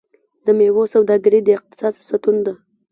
د میوو سوداګري د اقتصاد ستون ده.